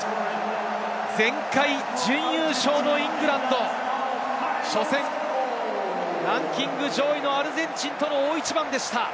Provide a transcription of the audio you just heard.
前回準優勝のイングランド、初戦、ランキング上位のアルゼンチンとの大一番でした。